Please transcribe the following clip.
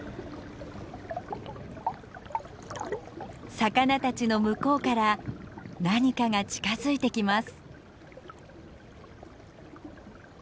魚たちの向こうから何かが近づいてきます。